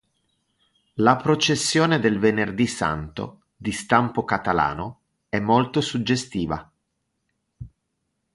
La processione del venerdì santo, di stampo catalano, è molto suggestiva.